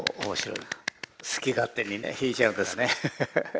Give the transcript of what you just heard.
好き勝手にね弾いちゃうんですね。